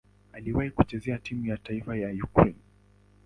Aliwahi kucheza timu ya taifa ya Ukraine.